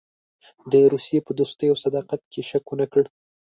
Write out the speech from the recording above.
د روسیې په دوستۍ او صداقت کې یې شک ونه کړ.